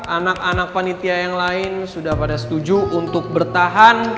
anak anak panitia yang lain sudah pada setuju untuk bertahan